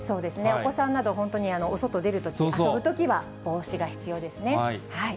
お子さんなど、本当にお外出るとき、遊ぶときは帽子が必要ですね。